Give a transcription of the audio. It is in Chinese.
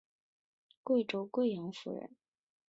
贵州贵阳府人。